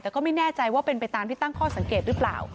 แต่ก็ไม่แน่ใจว่าเป็นไปตามที่ตั้งข้อสังเกตหรือเปล่า